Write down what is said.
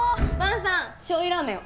萬さんしょう油ラーメン